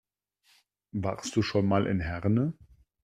Warst du schon mal in Herne?